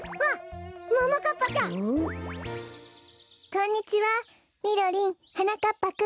こんにちはみろりんはなかっぱくん。